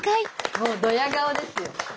もうドヤ顔ですよ。